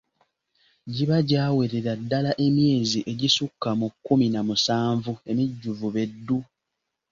Giba gyawerera ddala emyezi egissuka mu kkumi na musanvu emijjuvu be ddu!